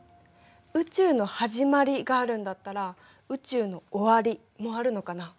「宇宙のはじまり」があるんだったら「宇宙の終わり」もあるのかな？